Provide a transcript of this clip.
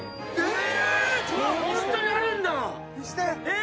え！